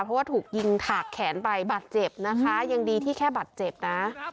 เพราะว่าถูกยิงถากแขนไปบาดเจ็บนะคะยังดีที่แค่บัตรเจ็บนะ